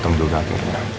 gateng juga aku